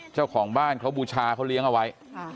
เจ้าของบ้านเขาบูชาเขาเลี้ยงเอาไว้